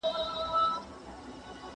¬ خر په پالانه نه درنېږي.